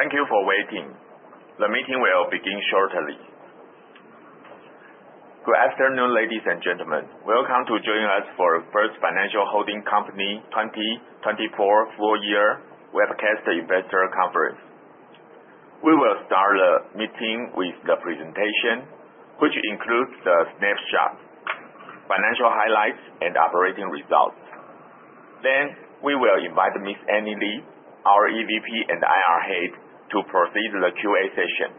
Thank you for waiting. The meeting will begin shortly. Good afternoon, ladies and gentlemen. Welcome to joining us for First Financial Holding Company 2024 full year webcast investor conference. We will start the meeting with the presentation, which includes the snapshot, financial highlights, and operating results. We will invite Ms. Annie Lee, our EVP and IR Head, to proceed the QA session.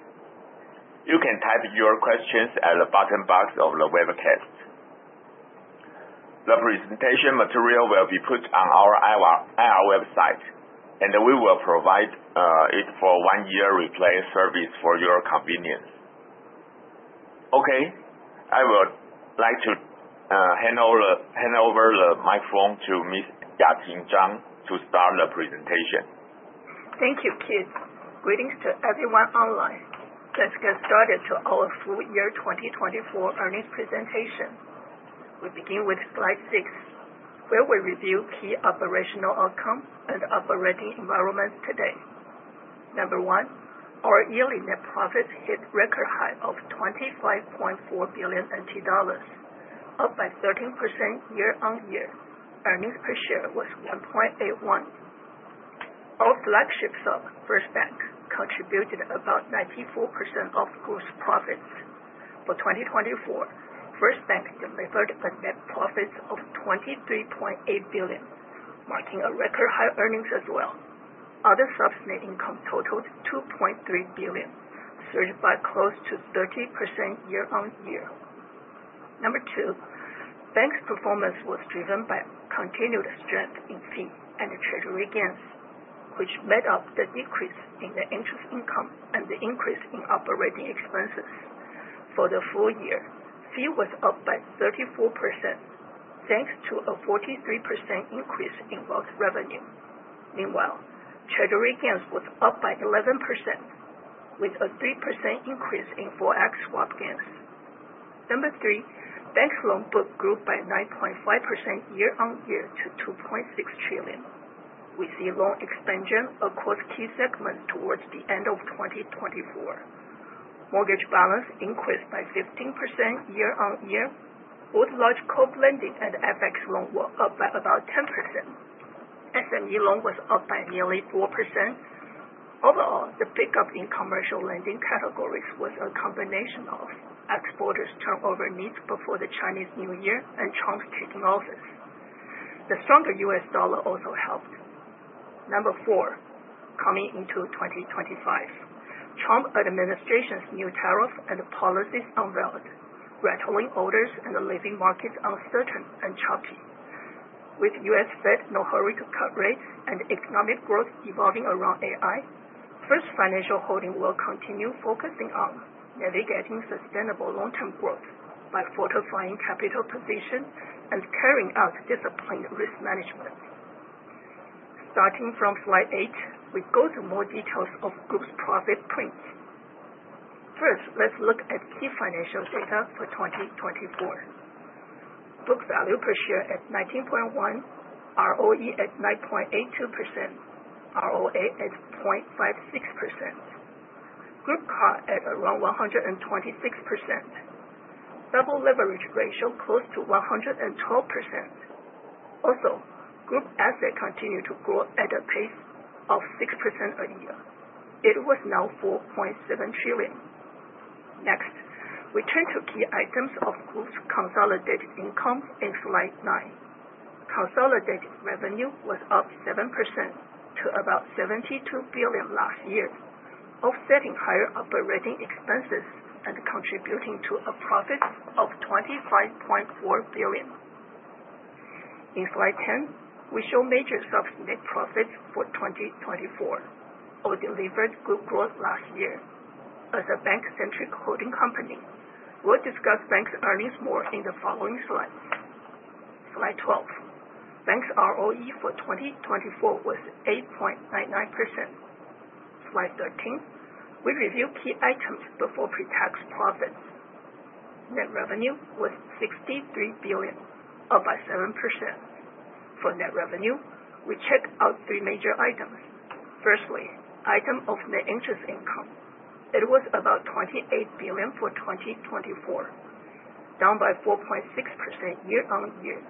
You can type your questions at the bottom box of the webcast. The presentation material will be put on our IR website, and we will provide it for one-year replay service for your convenience. Okay, I would like to hand over the microphone to Ms. Yating Chang to start the presentation. Thank you, Keith. Greetings to everyone online. Let's get started to our full year 2024 earnings presentation. We begin with slide six, where we review key operational outcomes and operating environment today. Number one, our yearly net profits hit record high of 25.4 billion, up by 13% year-on-year. Earnings per share was 1.81. Our flagship sub, First Bank, contributed about 94% of group profits. For 2024, First Bank delivered a net profit of 23.8 billion, marking a record high earnings as well. Other subs net income totaled 2.3 billion, surged by close to 30% year-on-year. Number two, bank's performance was driven by continued strength in fee and treasury gains, which made up the decrease in the interest income and the increase in operating expenses. For the full year, fee was up by 34%, thanks to a 43% increase in wealth revenue. Meanwhile, treasury gains was up by 11%, with a 3% increase in FOREX swap gains. Number three, bank's loan book grew by 9.5% year-on-year to 2.6 trillion. We see loan expansion across key segments towards the end of 2024. Mortgage balance increased by 15% year-on-year. Both large corp lending and FX loan were up by about 10%. SME loan was up by nearly 4%. Overall, the pick up in commercial lending categories was a combination of exporters' turnover needs before the Chinese New Year and Trump taking office. The stronger U.S. dollar also helped. Number four, coming into 2025, Trump administration's new tariff and policies unveiled, rattling orders and leaving markets uncertain and choppy. With U.S. Fed in no hurry to cut rates and economic growth revolving around AI, First Financial Holding will continue focusing on navigating sustainable long-term growth by fortifying capital position and carrying out disciplined risk management. Starting from slide eight, we go to more details of group's profit trends. First, let's look at key financial data for 2024. Book value per share at 19.1, ROE at 9.82%, ROA at 0.56%. Group CAR at around 126%. Double leverage ratio close to 112%. Also, group asset continued to grow at a pace of 6% a year. It was now 4.7 trillion. Next, we turn to key items of group's consolidated income in slide nine. Consolidated revenue was up 7% to about 72 billion last year, offsetting higher operating expenses and contributing to a profit of 25.4 billion. In slide 10, we show major subs' net profits for 2024. All delivered good growth last year. As a bank-centric holding company, we will discuss Bank's earnings more in the following slides. Slide 12. Bank's ROE for 2024 was 8.99%. Slide 13, we review key items before pre-tax profit. Net revenue was 63 billion, up by 7%. For net revenue, we check out three major items. Firstly, item of net interest income. It was about 28 billion for 2024, down by 4.6% year-on-year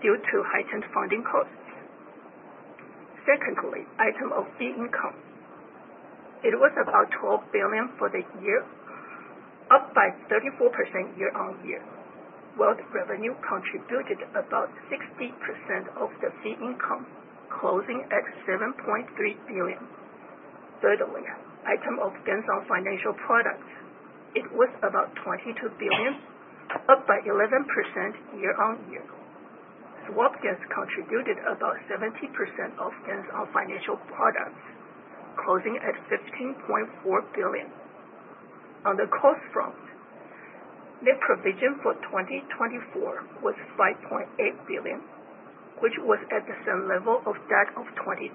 due to heightened funding costs. Secondly, item of fee income. It was about 12 billion for the year, up by 34% year-on-year. Wealth revenue contributed about 60% of the fee income, closing at 7.3 billion. Thirdly, item of gains on financial products. It was about 22 billion, up by 11% year-on-year. Swap gains contributed about 70% of gains on financial products, closing at 15.4 billion. On the cost front, net provision for 2024 was 5.8 billion, which was at the same level of that of 2023.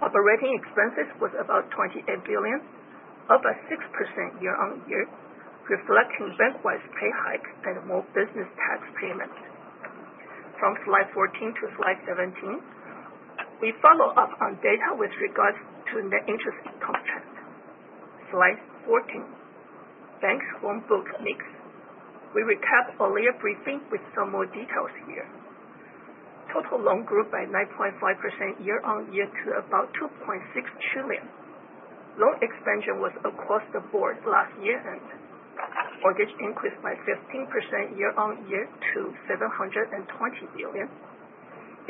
Operating expenses was about 28 billion, up by 6% year-on-year, reflecting Bank-wide pay hike and more business tax payments. From slide 14 to slide 17, we follow up on data with regards to net interest income trend. Slide 14, Bank's loan book mix. We recap earlier briefing with some more details here. Total loan grew by 9.5% year-on-year to about 2.6 trillion. Loan expansion was across the board last year, mortgage increased by 15% year-on-year to 720 billion.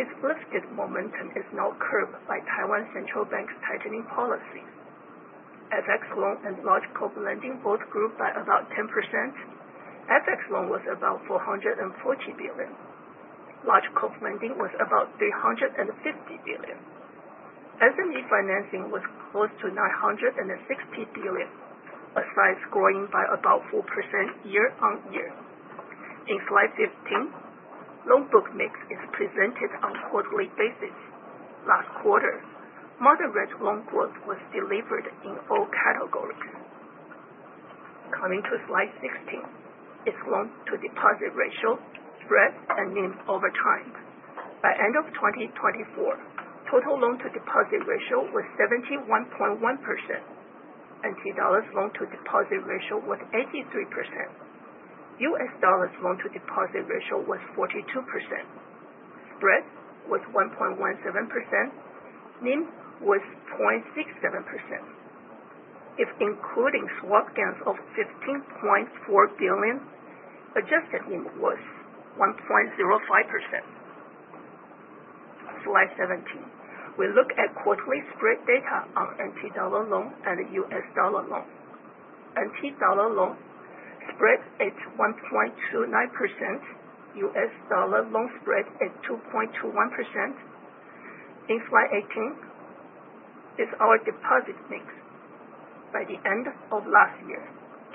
Its lifted momentum is now curbed by Taiwan Central Bank's tightening policy. FX loan and large corporate lending both grew by about 10%. FX loan was about TWD 440 billion. Large corporate lending was about TWD 350 billion. SME financing was close to TWD 960 billion, a size growing by about 4% year-on-year. In slide 15, loan book mix is presented on quarterly basis. Last quarter, moderate loan growth was delivered in all categories. Coming to slide 16, it is loan to deposit ratio, spread, and NIM over time. By end of 2024, total loan to deposit ratio was 71.1%, NT dollars loan to deposit ratio was 83%, US dollars loan to deposit ratio was 42%, spread was 1.17%, NIM was 0.67%. If including swap gains of 15.4 billion, adjusted NIM was 1.05%. Slide 17, we look at quarterly spread data on NT dollar loan and US dollar loan. NT dollar loan spread is 1.29%. US dollar loan spread is 2.21%. In slide 18 is our deposit mix. By the end of last year,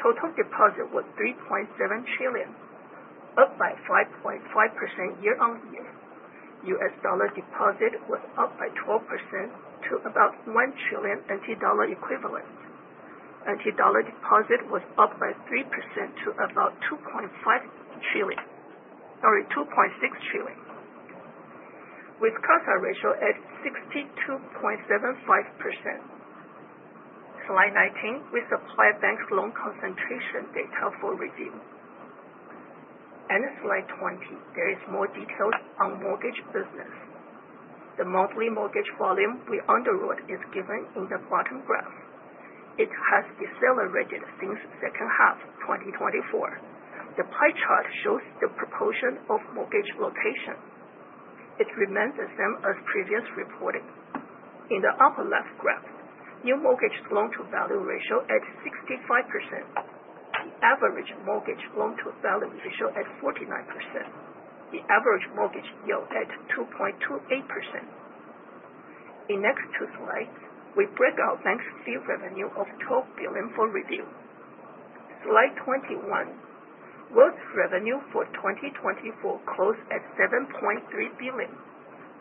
total deposit was 3.7 trillion, up by 5.5% year-on-year. US dollar deposit was up by 12% to about 1 trillion NT dollar equivalent. NT dollar deposit was up by 3% to about 2.5 trillion. Sorry, 2.6 trillion, with CASA ratio at 62.75%. Slide 19, we supply Bank's loan concentration data for review. Slide 20, there is more details on mortgage business. The monthly mortgage volume we underwrote is given in the bottom graph. It has decelerated since second half 2024. The pie chart shows the proportion of mortgage location. It remains the same as previous reporting. In the upper left graph, new mortgage loan to value ratio at 65%. The average mortgage loan to value ratio at 49%. The average mortgage yield at 2.28%. In next two slides, we break out Bank's fee revenue of TWD 12 billion for review. Slide 21, wealth revenue for 2024 closed at 7.3 billion,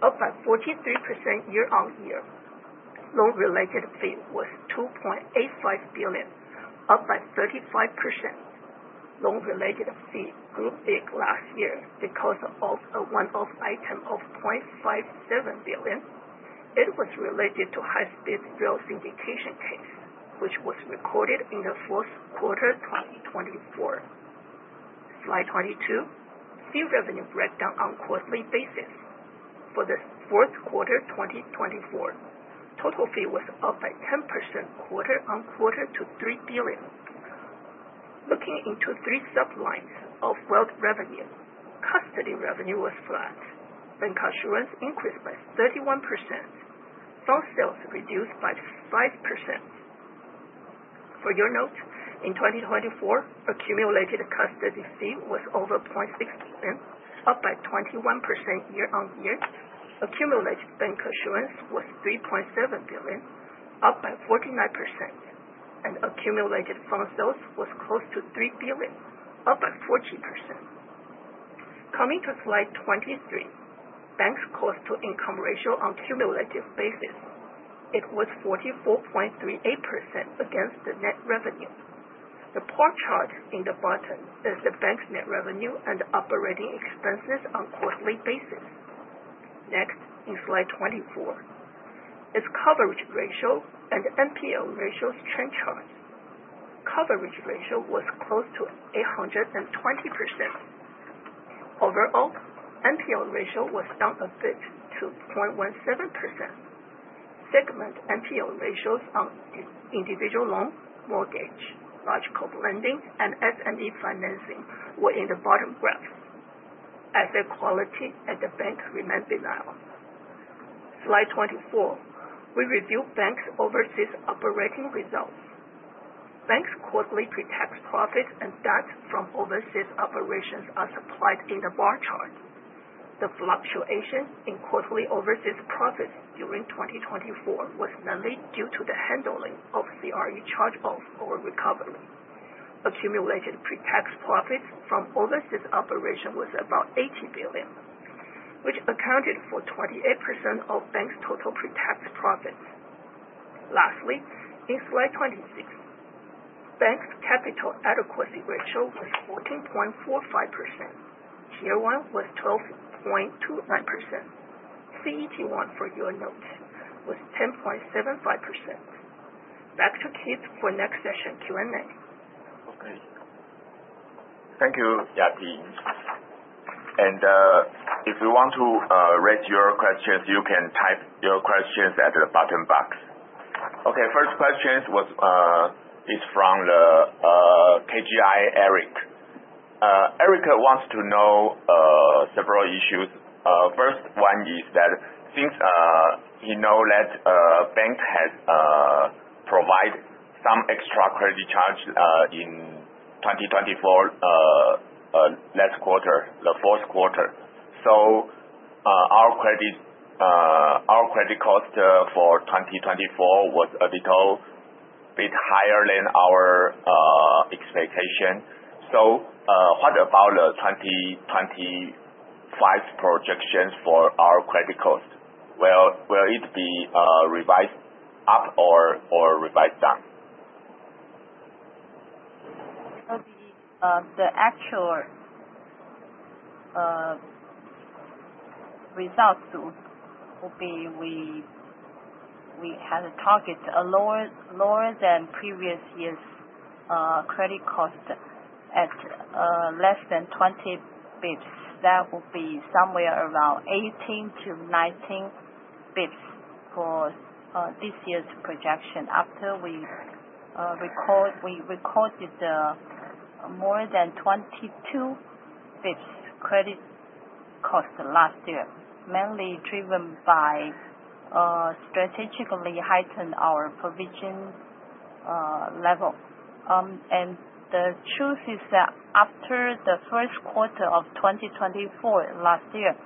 up by 43% year-on-year. Loan related fee was 2.85 billion, up by 35%. Loan related fee grew big last year because of a one-off item of 2.57 billion. It was related to high speed rail syndication case, which was recorded in the fourth quarter 2024. Slide 22, fee revenue breakdown on quarterly basis. For the fourth quarter 2024, total fee was up by 10% quarter-on-quarter to 3 billion. Looking into three sublines of wealth revenue, custody revenue was flat. Bancassurance increased by 31%. Fund sales reduced by 5%. For your note, in 2024, accumulated custody fee was over 0.6 billion, up by 21% year-on-year. Accumulated bancassurance was 3.7 billion, up by 49%, and accumulated fund sales was close to 3 billion, up by 14%. Coming to Slide 23, bank's cost to income ratio on cumulative basis. It was 44.38% against the net revenue. The pie chart in the bottom is the bank's net revenue and operating expenses on quarterly basis. In Slide 24 is coverage ratio and NPL ratio's trend chart. Coverage ratio was close to 820%. Overall, NPL ratio was down a bit to 0.17%. Segment NPL ratios on individual loan, mortgage, large corporate lending, and SME financing were in the bottom graph. Asset quality at the bank remains reliable. Slide 24, we review bank's overseas operating results. Bank's quarterly pre-tax profits and debt from overseas operations are supplied in the bar chart. The fluctuation in quarterly overseas profits during 2024 was mainly due to the handling of CRE charge-off or recovery. Accumulated pre-tax profits from overseas operation was about 18 billion, which accounted for 28% of bank's total pre-tax profits. In Slide 26 Bank's capital adequacy ratio was 14.45%. Tier 1 was 12.29%. CET1 for your notes was 10.75%. Back to Keith for next session Q&A. Thank you, Yaqing. If you want to raise your questions, you can type your questions at the bottom box. First question is from KGI, Eric. Eric wants to know several issues. First one is that since you know that bank has provided some extra credit charge in 2024, last quarter, the fourth quarter. Our credit cost for 2024 was a little bit higher than our expectation. What about the 2025 projections for our credit cost? Will it be revised up or revised down? The actual results will be we had a target lower than previous year's credit cost at less than 20 bps. That will be somewhere around 18-19 bps for this year's projection after we recorded more than 22 bps credit cost last year, mainly driven by strategically heighten our provision level. The truth is that after the first quarter of 2024 last year,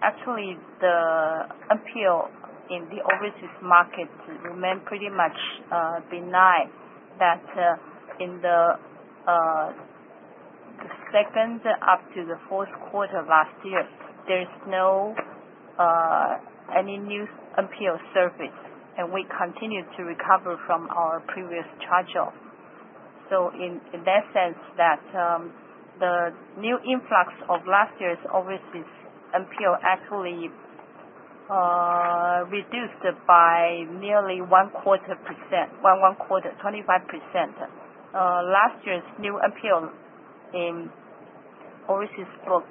actually the NPL in the overseas market remained pretty much benign. In the second up to the fourth quarter of last year, there is no any new NPL surface, and we continued to recover from our previous charge-off. In that sense, the new influx of last year's overseas NPL actually reduced by nearly one-quarter, 25%. Last year's new NPL in overseas book,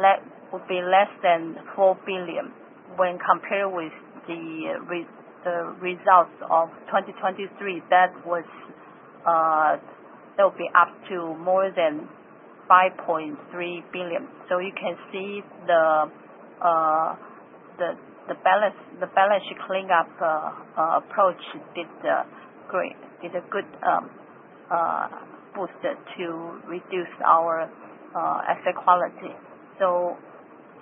that would be less than 4 billion when compared with the results of 2023. That would be up to more than 5.3 billion. You can see the balance cleanup approach did a good booster to reduce our asset quality.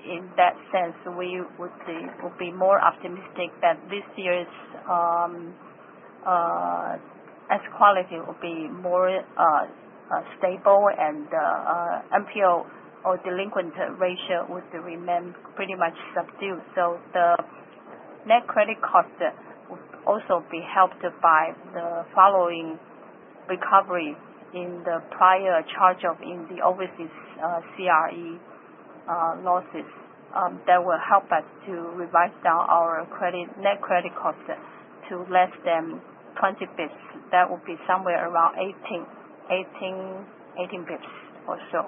In that sense, we would be more optimistic that this year's asset quality will be more stable and NPL or delinquent ratio would remain pretty much subdued. The net credit cost would also be helped by the following recovery in the prior charge of the overseas CRE losses. That will help us to revise down our net credit cost to less than 20 bps. That will be somewhere around 18 bps or so.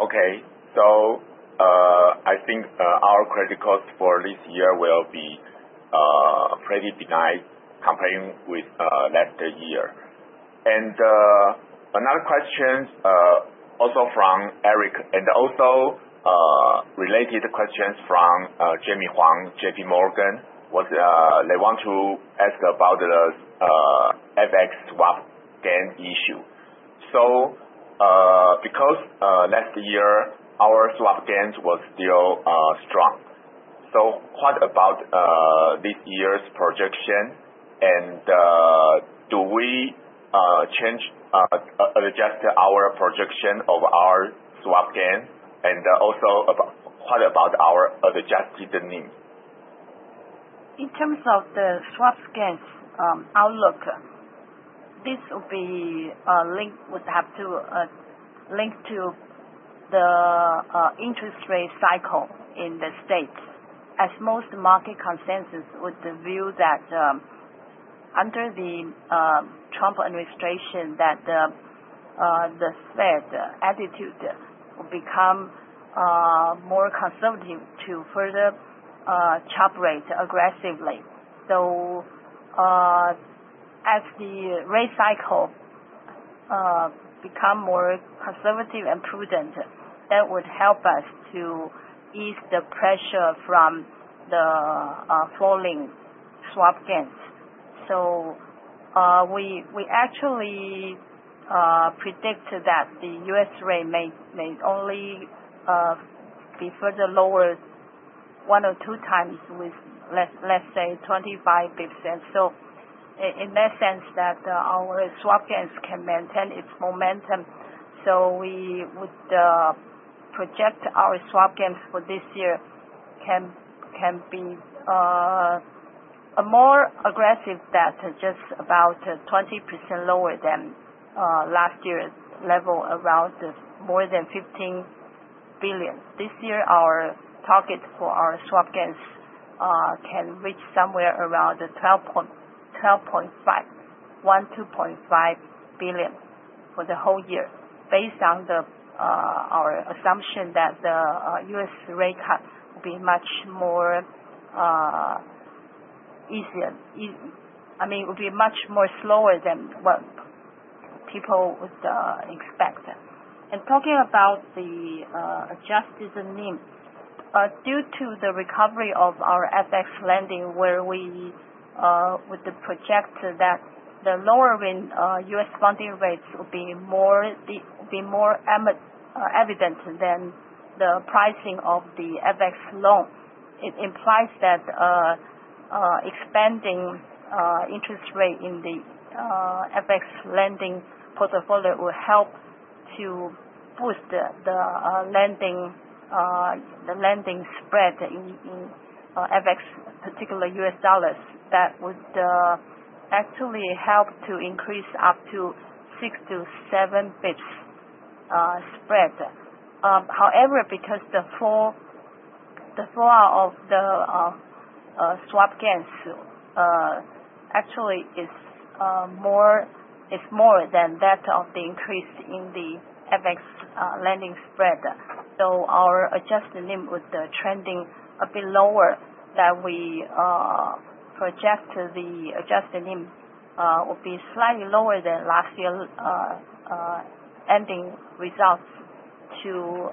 Okay. I think our credit cost for this year will be pretty benign comparing with last year. Another question, also from Eric and also related questions from Jamie Hwang, JP Morgan, they want to ask about the FX swap gain issue. Because last year our swap gains were still strong. What about this year's projection, and do we adjust our projection of our swap gain, and also what about our adjusted NIM? In terms of the swap gains outlook, this would have to link to the interest rate cycle in the U.S., as most market consensus with the view that under the Trump administration the Fed attitude will become more conservative to further chop rates aggressively. As the rate cycle become more conservative and prudent, that would help us to ease the pressure from the falling swap gains. We actually predicted that the U.S. rate may only be further lowered one or two times with, let's say, 25 bps. In that sense, our swap gains can maintain its momentum. We would project our swap gains for this year can be a more aggressive that just about 20% lower than last year's level around more than 15 billion. This year, our target for our swap gains can reach somewhere around 12.5 billion for the whole year, based on our assumption that the U.S. rate cuts will be much more slower than what people would expect. Talking about the adjusted NIM, due to the recovery of our FX lending where we would project that the lower U.S. funding rates will be more evident than the pricing of the FX loan. It implies that expanding interest rate in the FX lending portfolio will help to boost the lending spread in FX, particular US dollars, that would actually help to increase up to 6 to 7 bps spread. However, because the flow of the swap gains actually is more than that of the increase in the FX lending spread. Our adjusted NIM with the trending a bit lower that we project the adjusted NIM will be slightly lower than last year ending results to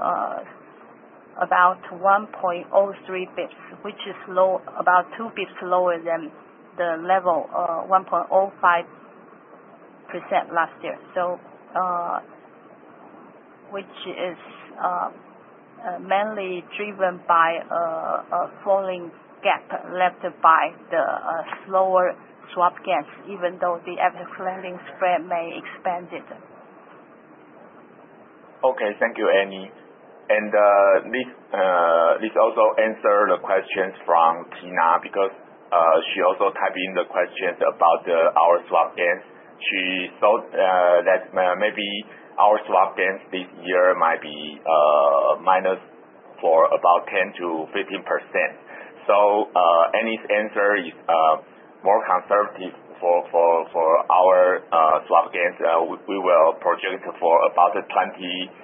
about 1.03%, which is about 2 bps lower than the level of 1.05% last year, mainly driven by a falling gap left by the slower swap gains, even though the average lending spread may expand it. Okay. Thank you, Annie. This also answers the questions from Tina because she also typed in the questions about our swap gains. She thought that maybe our swap gains this year might be minus for about 10%-15%. Annie's answer is more conservative for our swap gains. We will project for about 20%.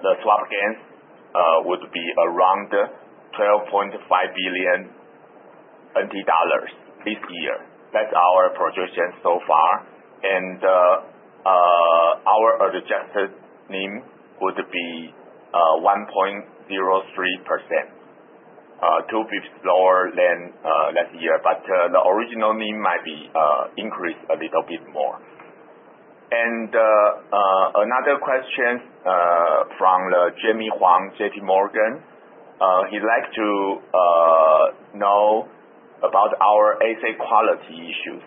The swap gains would be around 12.5 billion NT dollars this year. That's our projection so far. Our adjusted NIM would be 1.03%, 2 bps lower than last year. The original NIM might be increased a little bit more. Another question from Jamie Hwang, JP Morgan. He'd like to know about our asset quality issues.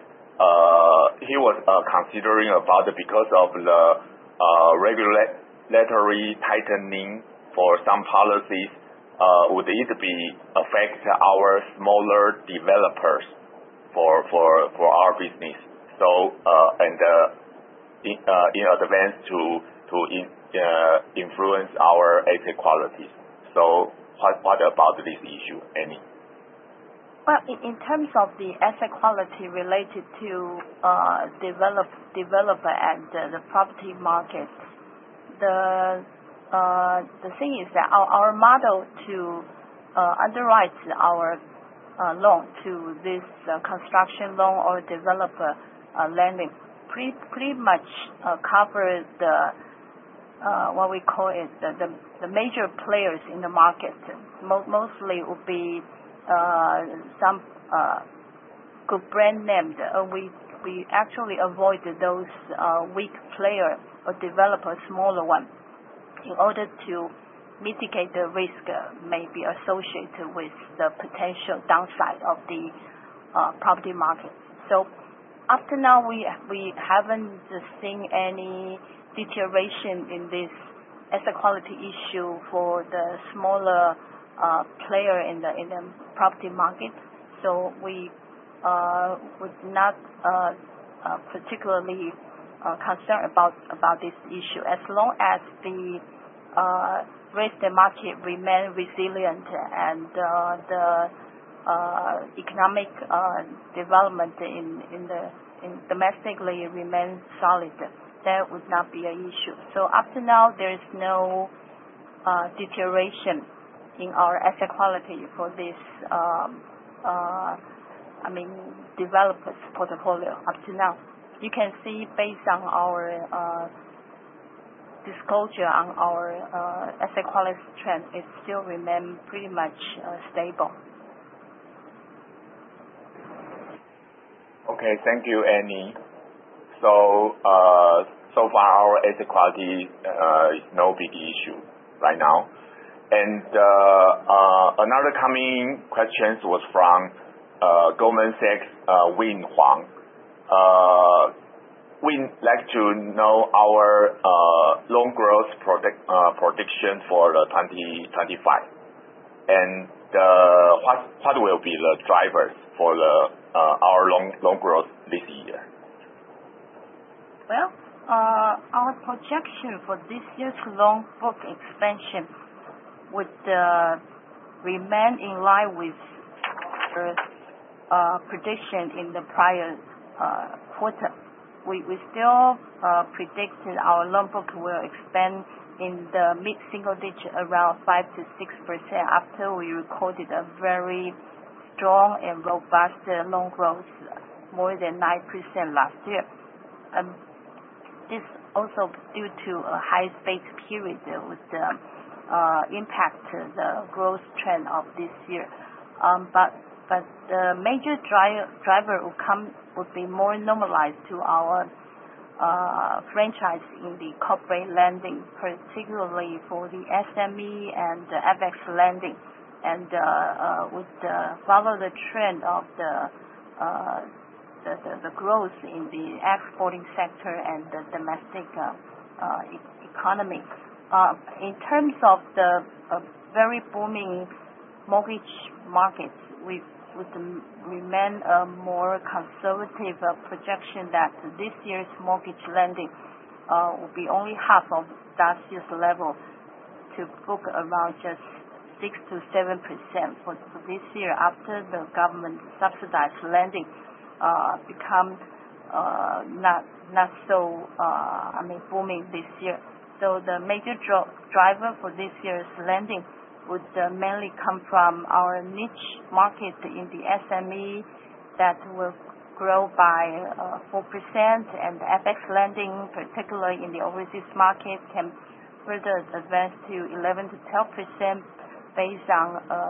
He was considering because of the regulatory tightening for some policies, would it affect our smaller developers for our business? To influence our asset quality. What about this issue, Annie? Well, in terms of the asset quality related to developer and the property markets, the thing is that our model to underwrite our loan to this construction loan or developer lending pretty much covers the major players in the market. Mostly would be some good brand name. We actually avoid those weak players or developers, smaller ones, in order to mitigate the risk may be associated with the potential downside of the property market. Up to now, we haven't seen any deterioration in this asset quality issue for the smaller player in the property market. We would not be particularly concerned about this issue. As long as the rate market remains resilient and the economic development domestically remains solid, that would not be an issue. Up to now, there is no deterioration in our asset quality for this developers' portfolio up to now. You can see based on our disclosure on our asset quality trend, it still remain pretty much stable. Okay. Thank you, Annie. So far our asset quality is no big issue right now. Another coming question was from Goldman Sachs, Wing Huang. Wing like to know our loan growth prediction for 2025, and what will be the drivers for our loan growth this year? Well, our projection for this year's loan book expansion would remain in line with the prediction in the prior quarter. We still predicted our loan book will expand in the mid single digit around 5%-6% after we recorded a very strong and robust loan growth more than 9% last year. This is also due to a high base period that would impact the growth trend of this year. The major driver will come would be more normalized to our franchise in the corporate lending, particularly for the SME and FX lending. With the follow the trend of the growth in the exporting sector and the domestic economy. In terms of the very booming mortgage market, we would remain a more conservative projection that this year's mortgage lending will be only half of last year's level to book around just 6%-7% for this year after the government subsidized lending become not so booming this year. The major driver for this year's lending would mainly come from our niche market in the SME that will grow by 4%, and FX lending, particularly in the overseas market, can further advance to 11%-12% based on a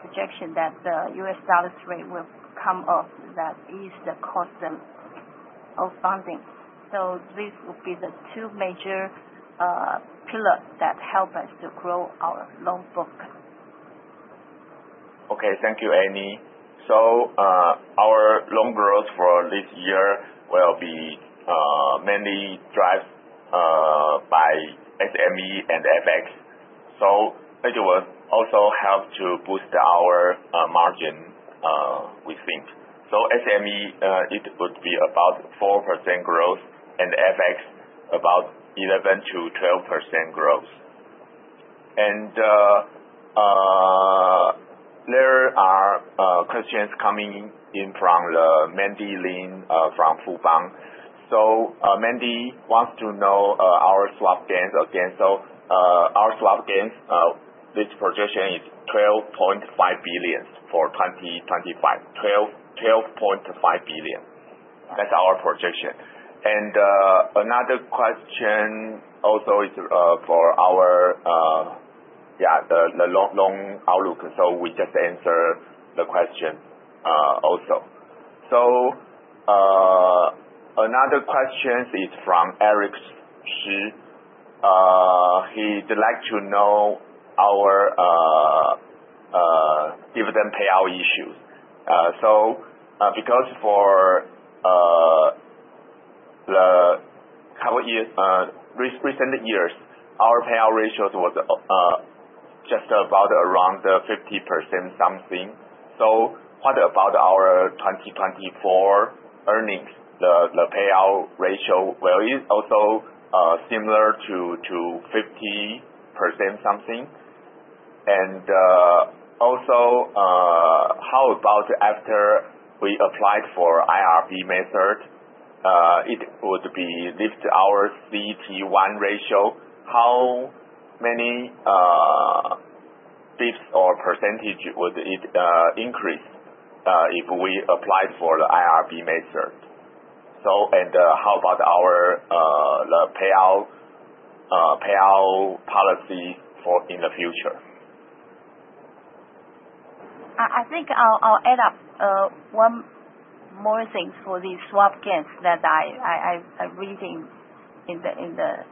projection that the US dollars rate will come up. That is the cost of funding. This will be the two major pillars that help us to grow our loan book. Thank you, Annie. Our loan growth for this year will be mainly driven by SME and FX. That will also help to boost our margin, we think. SME, it would be about 4% growth and FX about 11%-12% growth. There are questions coming in from Mandy Lin from Fubon. Mandy wants to know our swap gains again. Our swap gains, this projection is 12.5 billion for 2025. 12.5 billion. That is our projection. Another question also is for our loan outlook. We just answered the question also. Another question is from Eric Shi. He would like to know our dividend payout issues. Because for the recent years, our payout ratios was just about around the 50% something. What about our 2024 earnings, the payout ratio? Well, it is also similar to 50% something. Also, how about after we applied for IRB method? It would lift our CET1 ratio. How many bps or percentage would it increase if we applied for the IRB method? How about our payout policy in the future? I think I will add up one more thing for the swap gains that I am reading in the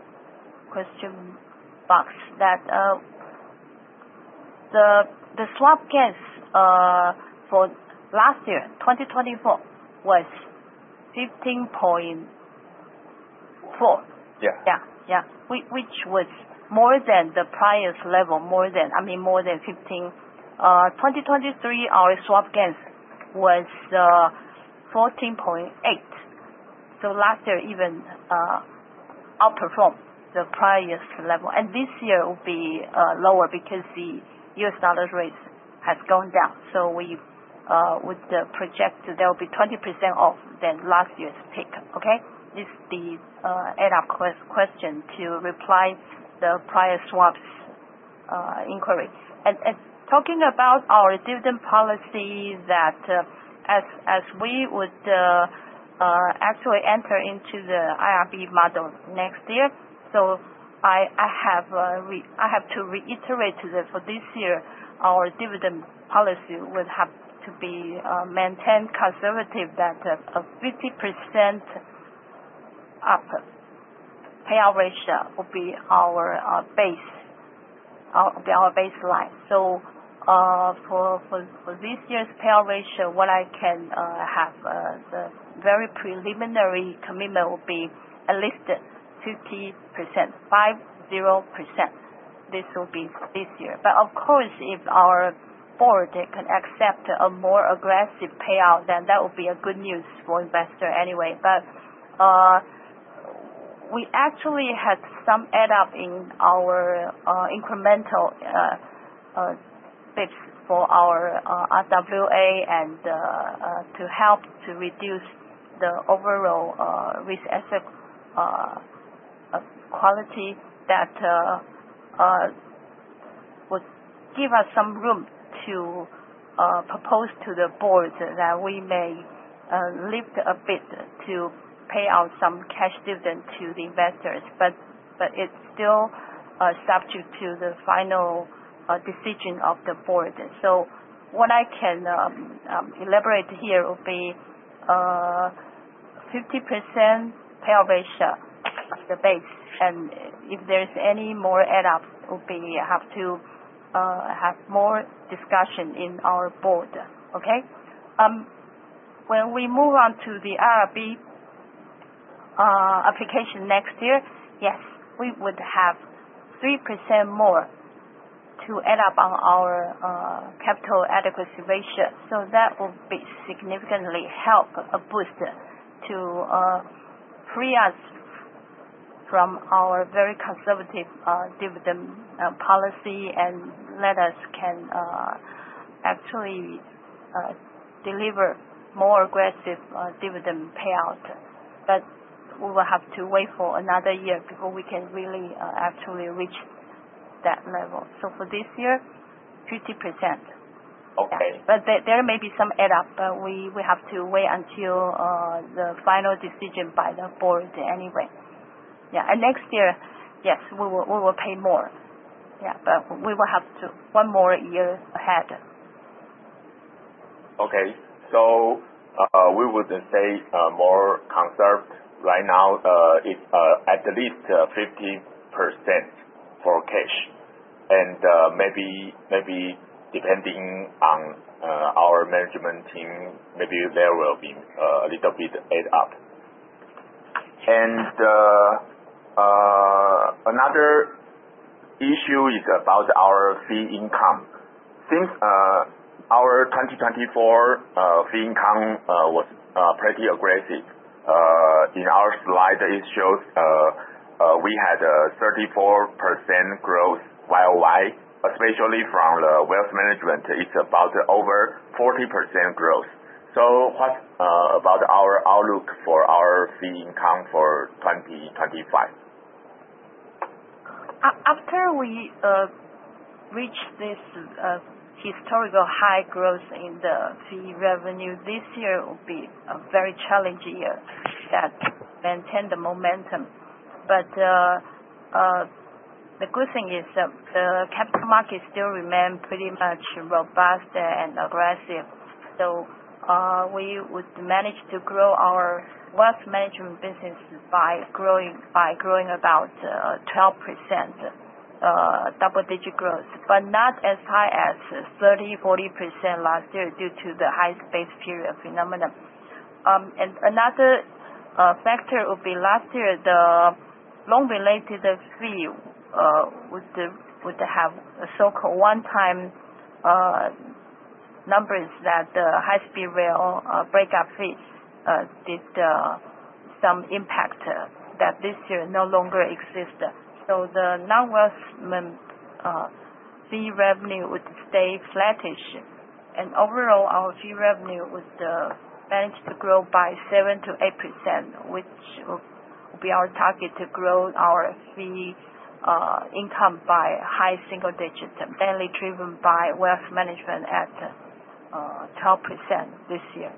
question box, that the swap gains for last year, 2024, was 15.4 billion. Yeah. Which was more than the prior's level. More than 15 billion. 2023, our swap gains was 14.8 billion. Last year even outperformed the prior year's level. This year will be lower because the US dollar rates has gone down. We would project there will be 20% off than last year's peak. This is the add-up question to reply the prior swaps inquiry. Talking about our dividend policy that as we would actually enter into the IRB model next year, I have to reiterate that for this year, our dividend policy would have to be maintained conservative that a 50% payout ratio will be our base, our baseline. For this year's payout ratio, what I can have, the very preliminary commitment will be at least 50%, 50%. This will be for this year. Of course, if our board can accept a more aggressive payout, then that will be good news for investor anyway. We actually had some add up in our incremental bits for our RWA and to help to reduce the overall risk asset quality that would give us some room to propose to the board that we may lift a bit to pay out some cash dividend to the investors. It's still subject to the final decision of the board. What I can elaborate here will be 50% payout ratio as the base. If there's any more add up, we have to have more discussion in our board. Okay? When we move on to the IRB application next year, yes, we would have 3% more to add up on our capital adequacy ratio. That will be significantly help boost to free us from our very conservative dividend policy and let us can actually deliver more aggressive dividend payout. We will have to wait for another year before we can really actually reach that level. For this year, 50%. Okay. There may be some add up, but we have to wait until the final decision by the board anyway. Yeah. Next year, yes, we will pay more. Yeah. We will have one more year ahead. Okay. We would say more conserved right now, it's at least 50% for cash. Maybe depending on our management team, maybe there will be a little bit add up. Another issue is about our fee income. Since our 2024 fee income was pretty aggressive. In our slide, it shows we had a 34% growth YOY, especially from the wealth management. It's about over 40% growth. What about our outlook for our fee income for 2025? After we reach this historical high growth in the fee revenue, this year will be a very challenging year that maintains the momentum. The good thing is that the capital markets still remain pretty much robust and aggressive. We would manage to grow our wealth management businesses by growing about 12% double-digit growth, but not as high as 30%-40% last year due to the high base period phenomenon. Another factor would be last year, the loan-related fee would have a so-called one-time number that the Taiwan High Speed Rail breakup fees did some impact that this year no longer exist. The non-wealth management fee revenue would stay flattish, and overall, our fee revenue would manage to grow by 7%-8%, which will be our target to grow our fee income by high single digits, mainly driven by wealth management at 12% this year.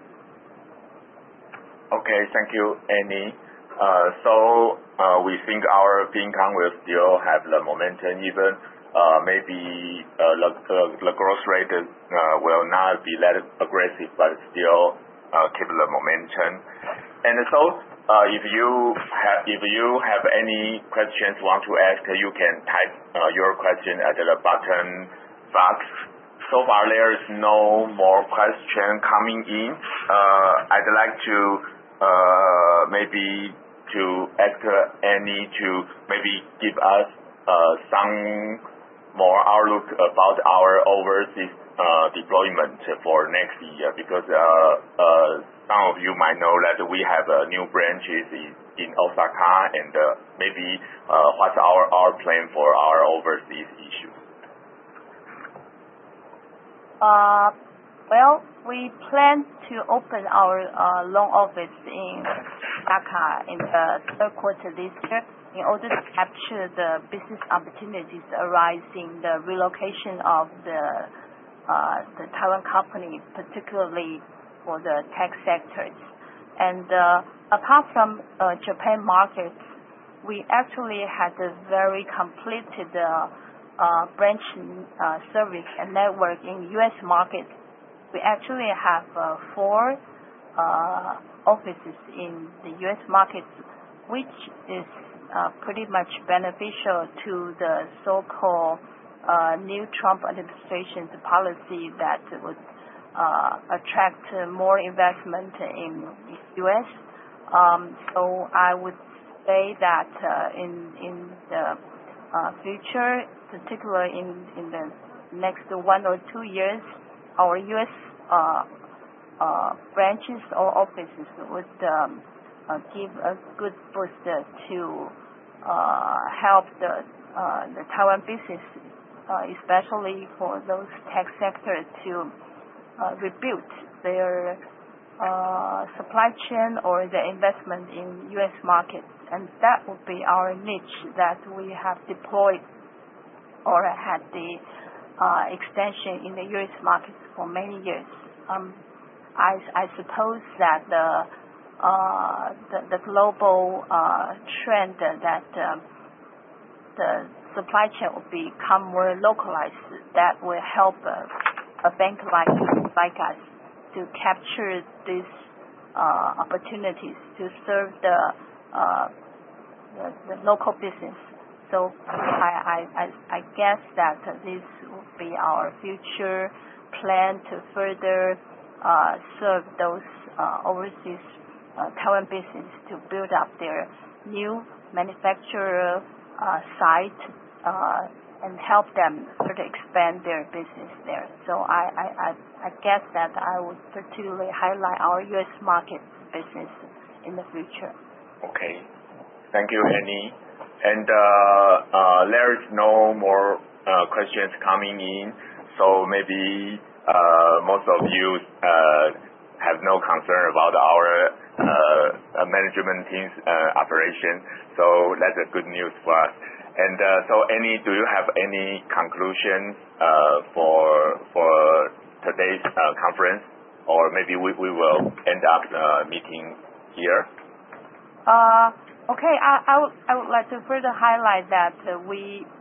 Okay. Thank you, Annie. We think our fee income will still have the momentum even, maybe the growth rate will now be less aggressive, but still keep the momentum. If you have any questions you want to ask, you can type your question at the bottom box. So far, there is no more question coming in. I'd like maybe to ask Annie to maybe give us some more outlook about our overseas deployment for next year, because some of you might know that we have new branches in Osaka, and maybe what's our plan for our overseas issue? Well, we plan to open our loan office in Osaka in the third quarter this year in order to capture the business opportunities arising the relocation of the talent company, particularly for the tech sectors. Apart from Japan market, we actually have a very complete branch service and network in the U.S. market. We actually have four offices in the U.S. market, which is pretty much beneficial to the so-called new Trump administration's policy that would attract more investment in the U.S. I would say that in the future, particularly in the next one or two years, our U.S. branches or offices would give a good booster to help the Taiwan business, especially for those tech sectors, to rebuild their supply chain or their investment in the U.S. market. That will be our niche that we have deployed or had the extension in the U.S. market for many years. I suppose that the global trend that the supply chain will become more localized, that will help a bank like us to capture these opportunities to serve the local business. I guess that this will be our future plan to further serve those overseas Taiwan businesses to build up their new manufacturer site, and help them to expand their business there. I guess that I would particularly highlight our U.S. market businesses in the future. Okay. Thank you, Annie. There is no more questions coming in, maybe most of you have no concern about our management team's operation. That's good news for us. Annie, do you have any conclusion for today's conference? Maybe we will end up the meeting here. Okay. I would like to further highlight that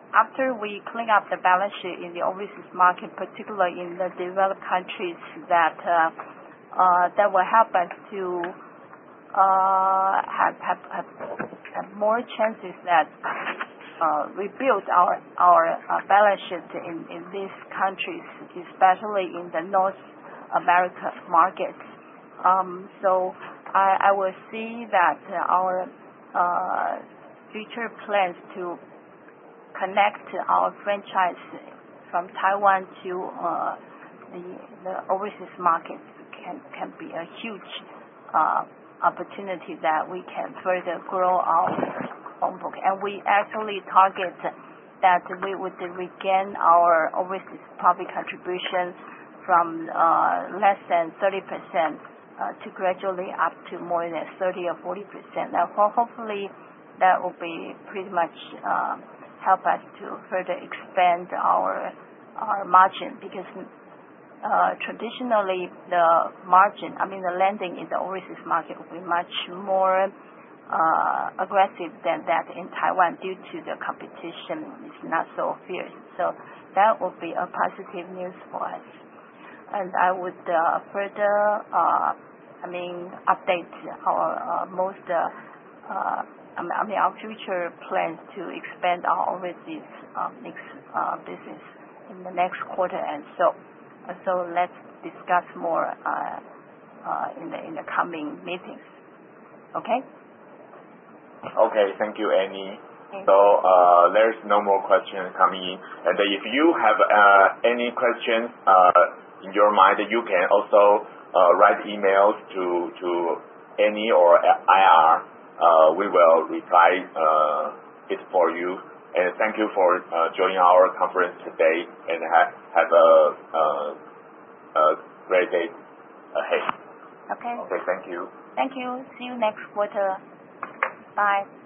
after we clean up the balance sheet in the overseas market, particularly in the developed countries, that will help us to have more chances that we build our balance sheet in these countries, especially in the North America market. I will say that our future plans to connect our franchise from Taiwan to the overseas market can be a huge opportunity that we can further grow our loan book. We actually target that we would regain our overseas public contribution from less than 30% to gradually up to more than 30% or 40%. Hopefully, that will pretty much help us to further expand our margin because traditionally, the margin, I mean, the lending in the overseas market will be much more aggressive than that in Taiwan due to the competition is not so fierce. That will be positive news for us. I would further update our future plans to expand our overseas mix business in the next quarter and so. Let's discuss more in the coming meetings. Okay? Okay, thank you, Annie. Thank you. There's no more questions coming in. If you have any questions in your mind, you can also write emails to Annie or IR. We will reply it for you. Thank you for joining our conference today, and have a great day ahead. Okay. Okay. Thank you. Thank you. See you next quarter. Bye. Bye.